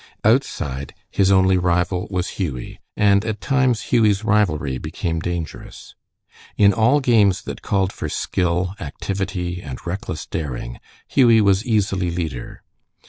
Outside, his only rival was Hughie, and at times Hughie's rivalry became dangerous. In all games that called for skill, activity, and reckless daring, Hughie was easily leader.